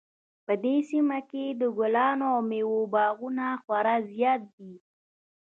په دې سیمه کې د ګلانو او میوو باغونه خورا زیات دي